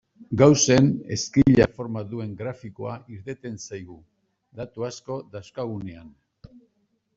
Gaussen ezkila forma duen grafikoa irteten zaigu datu asko dauzkagunean.